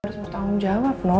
harus bertanggung jawab no